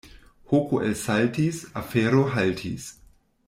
Hoko elsaltis, afero haltis.